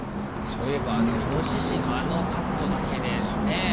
そういえばあのイノシシのあのカットだけでねえ？